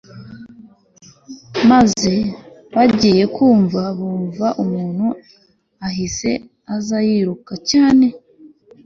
maze bagiye kumva bumva umuntu ahise az yiruka cyane